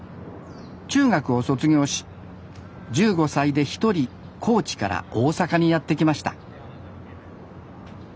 中学を卒業し１５歳で一人高知から大阪にやって来ました